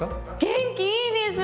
元気いいです！